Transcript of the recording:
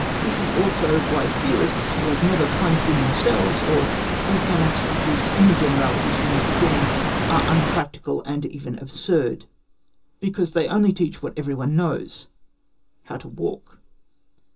This is also why theorists, who have never plunged in themselves, or who cannot deduce any generalities from their experience, are unpractical and even absurd, because they only teach what every one knows—how to walk.